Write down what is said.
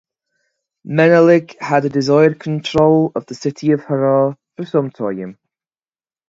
Menelik had desired control of the city of Harar for some time.